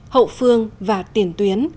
hậu phương và tiền tuyến